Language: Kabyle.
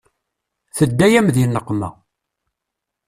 Tedda-yam di nneqma.